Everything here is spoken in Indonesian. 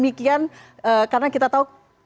karena kita tahu produk produk kualitas karena jurnalis ini